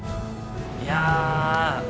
いや。